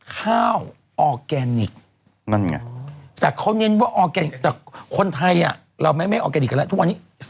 ข้าวออร์แกนิคแต่คนไทยเราไม่ออร์แกนิคกันแล้วทุกวันนี้